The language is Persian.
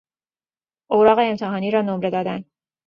اوراق امتحانی را نمره دادن